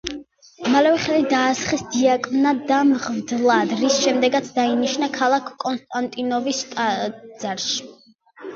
მალევე ხელი დაასხეს დიაკვნად და მღვდლად, რის შემდეგაც დაინიშნა ქალაქ კონსტანტინოვის ტაძარში.